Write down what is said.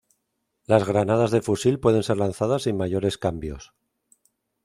Las granadas de fusil pueden ser lanzadas sin mayores cambios.